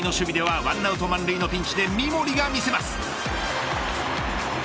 ２回の守備では１アウト満塁のピンチで三森が見せます。